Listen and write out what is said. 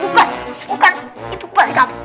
bukan bukan itu pasti kamu